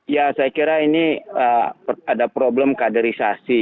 ya saya kira ini ada problem kaderisasi